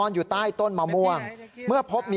พระขู่คนที่เข้าไปคุยกับพระรูปนี้